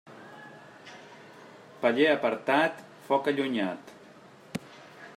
Paller apartat, foc allunyat.